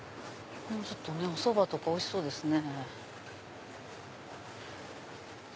おそばとかおいしそうですね。